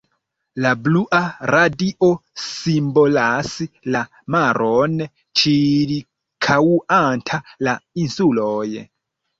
La blua radio simbolas la maron ĉirkaŭanta la insuloj.